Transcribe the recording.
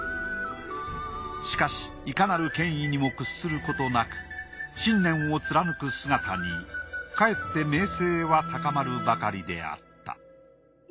しかしいかなる権威にも屈することなく信念を貫く姿にかえって名声は高まるばかりであった。